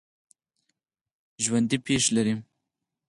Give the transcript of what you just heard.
ژوندي پښې لري